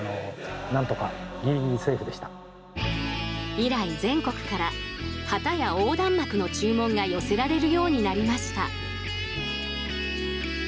以来、全国から旗や横断幕の注文が寄せられるようになりました。